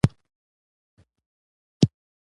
• د سهار چمک د برکت نښه ده.